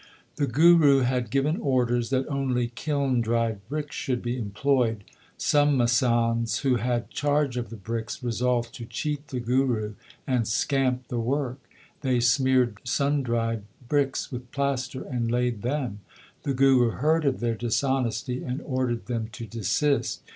The Guru had given orders that only kiln dried bricks should be employed. Some masands who had charge of the bricks, resolved to cheat the Guru and scamp the work. They smeared sun dried bricks with plaster and laid them. The Guru heard of their dishonesty and ordered them to desist.